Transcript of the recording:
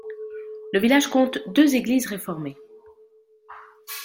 Le village compte deux églises réformées.